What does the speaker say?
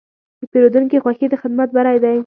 د پیرودونکي خوښي د خدمت بری دی.